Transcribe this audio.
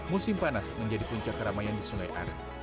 musim panas menjadi puncak keramaian di sungai are